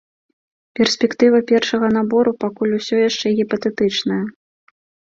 Перспектыва першага набору пакуль усё яшчэ гіпатэтычныя.